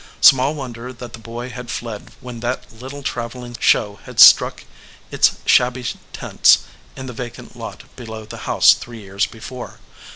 Small wonder that the boy had fled when that little trav eling show had struck its shabby tents in the vacant lot below the house three years before.